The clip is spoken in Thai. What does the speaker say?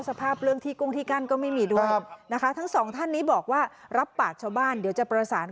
ถ้ารถเสี่ยหลักมามาในมอเรสไซด์หรือจักรยาน